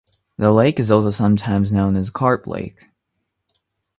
The lake is also sometimes known as Carp Lake.